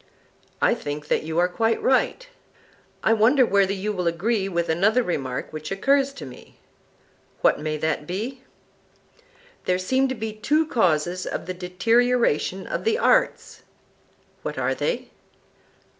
I think that you are quite right. I wonder whether you will agree with another remark which occurs to me. What may that be? There seem to be two causes of the deterioration of the arts. What are they?